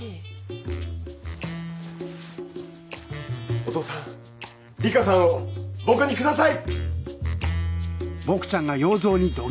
お父さん理花さんを僕に下さい！